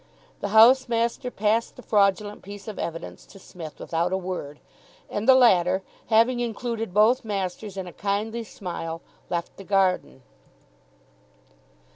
The housemaster passed the fraudulent piece of evidence to Psmith without a word, and the latter, having included both masters in a kindly smile, left the garden.